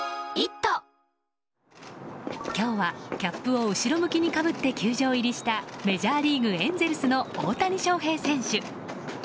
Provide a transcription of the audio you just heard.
今日はキャップを後ろ向きに被って球場入りしたメジャーリーグエンゼルスの大谷翔平選手。